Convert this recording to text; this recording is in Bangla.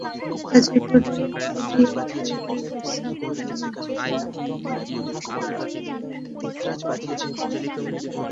গাজীপুরের কালিয়াকৈরের ছাপড়া মসজিদ এলাকায় বন্যায় ক্ষতিগ্রস্ত মানুষের মধ্যে ত্রাণসামগ্রী বিতরণ করা হয়েছে।